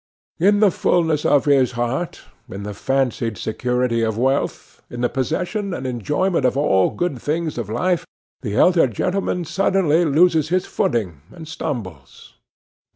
In the fulness of his heart, in the fancied security of wealth, in the possession and enjoyment of all the good things of life, the elderly gentleman suddenly loses his footing, and stumbles.